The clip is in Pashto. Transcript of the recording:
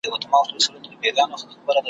« موړ د وږي له احواله څه خبر دی`